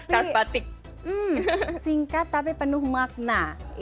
karbatik singkat tapi penuh makna